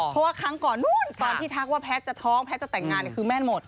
เพราะว่าครั้งก่อนนู้นตอนที่ทักว่าแพทย์จะท้องแพทย์จะแต่งงานคือแม่นหมด